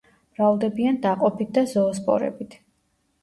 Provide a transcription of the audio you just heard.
მრავლდებიან დაყოფით და ზოოსპორებით.